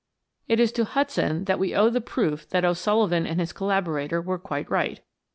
It is to Hudson that we owe the proof that O'Sullivan and his collaborator were quite right.